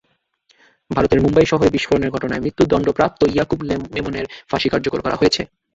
ভারতের মুম্বাই শহরে বিস্ফোরণের ঘটনায় মৃত্যুদণ্ডপ্রাপ্ত ইয়াকুব মেমনের ফাঁসি কার্যকর করা হয়েছে।